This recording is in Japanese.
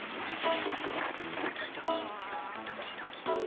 ドキドキドキドキ。